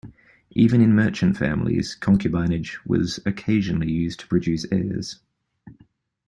Even in merchant families, concubinage was occasionally used to produce heirs.